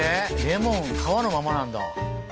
レモン皮のままなんだ。